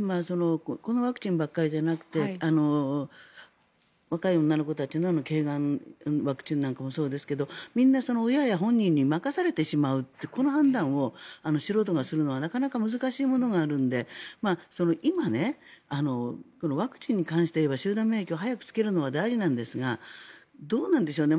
このワクチンばかりじゃなくて若い女の事たちの子宮頸がんワクチンなんかもそうですがみんな親や本人に任されてしまうこの判断を素人がするのはなかなか難しいものがあるので今、ワクチンに関していえば集団免疫を早くつけるのは大事なんですがどうなんでしょうね